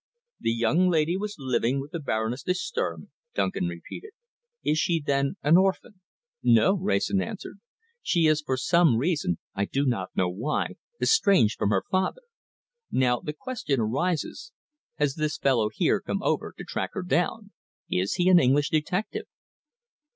"The young lady was living with the Baroness de Sturm?" Duncan repeated. "Is she, then, an orphan?" "No!" Wrayson answered. "She is, for some reason I do not know why estranged from her family. Now the question arises, has this fellow here come over to track her down? Is he an English detective?"